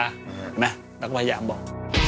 เห็นไหมตักว่าหยาบบอก